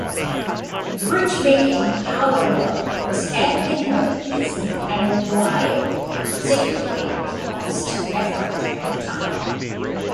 Bridge making, however, was anything but easy and required significant cost, effort, and time.